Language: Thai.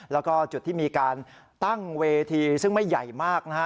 แล้วก็จุดที่มีการตั้งเวทีซึ่งไม่ใหญ่มากนะฮะ